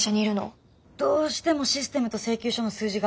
どうしてもシステムと請求書の数字が合わなくて。